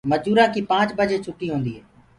مجورآنٚ ڪيٚ پآنٚچ بجي ڇُوٽيٚ هوجآنٚديٚ هي